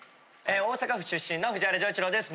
大阪府出身の藤原丈一郎です。